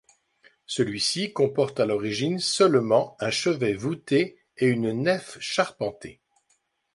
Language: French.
Celui-ci comporte à l'origine seulement un chevet voûté et une nef charpentée.